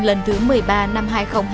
lần thứ một mươi ba năm hai nghìn hai mươi